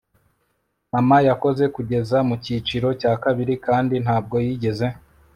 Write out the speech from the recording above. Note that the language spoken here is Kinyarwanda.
mamá yakoze kugeza mucyiciro cya kabiri kandi ntabwo yigeze